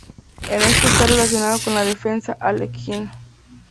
En esto está relacionada con la Defensa Alekhine.